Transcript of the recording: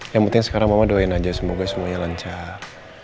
yang penting sekarang mama doain aja semoga semuanya lancar